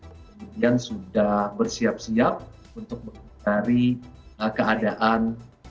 kemudian sudah bersiap siap untuk mencari keadaan